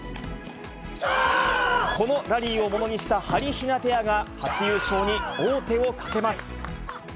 このラリーをものにしたはりひなペアが初優勝に王手をかけます。